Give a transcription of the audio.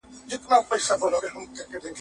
نن دي جهاني لکه پانوس لمبه، لمبه وینم .